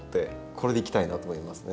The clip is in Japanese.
これでいきたいなと思いますね。